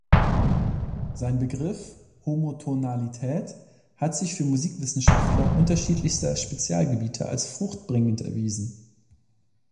Sein Begriff „Homotonalität“ hat sich für Musikwissenschaftler unterschiedlichster Spezialgebiete als fruchtbringend erwiesen.